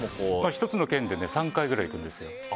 １つの県で３回くらい行くんです。